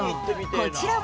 こちらは。